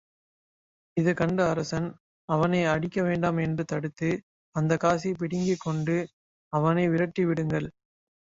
இதுகண்ட அரசன் அவனை அடிக்க வேண்டாம் என்று தடுத்து, அந்தக் காசைப் பிடுங்கிக் கொண்டு அவனை விரட்டிவிடுங்கள்.